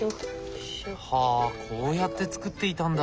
はあこうやって作っていたんだ。